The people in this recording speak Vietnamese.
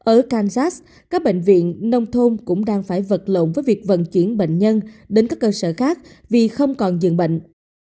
ở kansas các bệnh viện nông thôn cũng đang phải vật lộn với việc vận chuyển bệnh nhân đến các cơ sở khác vì không còn dường bệnh